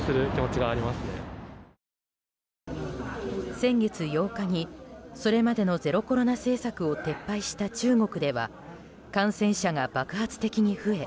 先月８日にそれまでのゼロコロナ政策を撤廃した中国では感染者が爆発的に増え